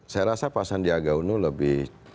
saya rasa pak sandiaga uno lebih